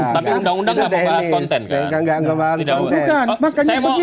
tapi undang undang tidak mengahas konten